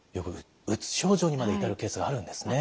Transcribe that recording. うつ症状にまで至るケースがあるんですね。